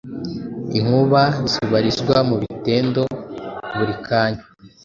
Inkuba zibarizwa mubitendo burikanya